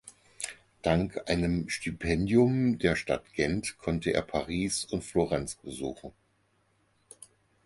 Dank einem Stipendium der Stadt Gent konnte er Paris und Florenz besuchen.